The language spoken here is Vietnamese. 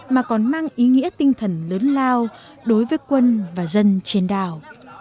mà còn mang ý nghĩa tinh thần lớn lao đối với quân và dân trên đảo